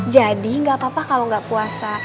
jadi gak apa apa kalau gak puasa